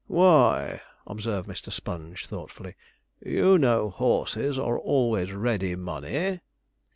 'Why,' observed Mr. Sponge, thoughtfully, 'you know horses are always ready money.'